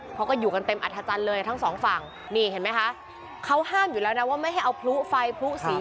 เพราะก็อยู่กันเต็มอัธจันทร์เลยทั้งสองฝั่งนี่เห็นไหมคะเขาห้ามอยู่แล้วนะว่าไม่ให้เอาพลุไฟพลุสี